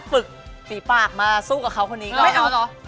ฝึกฟีปากมาสู้กับเค้าคนนี้ก่อน